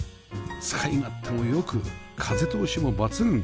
使い勝手も良く風通しも抜群